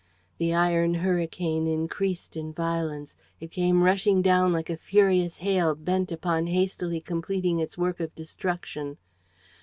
The iron hurricane increased in violence. It came rushing down like a furious hail bent upon hastily completing its work of destruction.